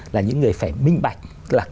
là những người phải minh bạch là